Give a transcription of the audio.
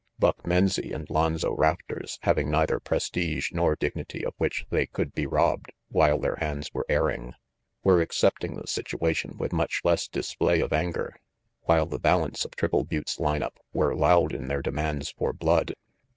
Buck Menzie and Lonzo Rafters, having neither prestige nor dignity of which they could be robbed while their hands were airing, were accepting the situation with much less display of anger, while the balance of Triple Butte's line up were loud in their demands for blood.